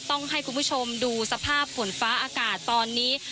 ต้องให้คุณผู้ชมดูสภาพฝนฟ้าอากาศตอนนี้